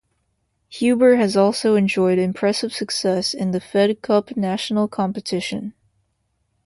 Huber has also enjoyed impressive success in the Fed Cup national competition.